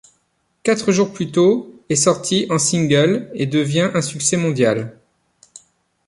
Quatre jours plus tôt, ' est sorti en single, et devient un succès mondial.